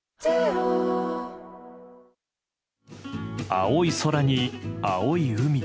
青い空に、青い海。